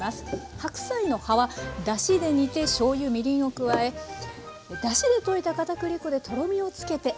白菜の葉はだしで煮てしょうゆみりんを加えだしで溶いた片栗粉でとろみをつけてあんに。